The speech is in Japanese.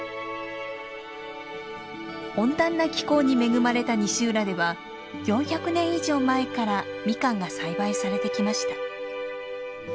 温暖な気候に恵まれた西浦では４００年以上前からミカンが栽培されてきました。